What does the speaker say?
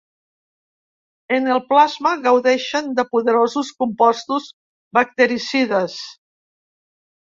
En el plasma gaudeixen de poderosos compostos bactericides.